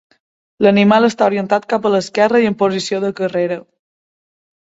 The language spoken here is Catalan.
L'animal està orientat cap a l'esquerra i en posició de carrera.